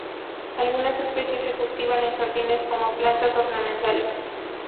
Algunas especies se cultivan en jardines como plantas ornamentales.